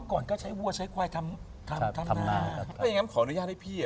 ครับไปวัดไปทุกวัน